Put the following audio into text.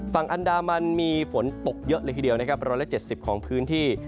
ฝั่งอันดามันมีฝนตกเยอะเลยทีเดียวนะครับ๑๗๐ของพื้นที่